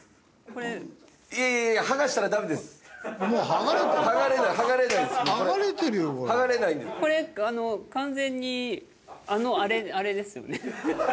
これ完全にあのあれあれですよね？